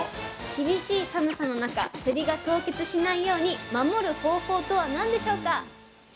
厳しい寒さの中せりが凍結しないように守る方法とは何でしょうか？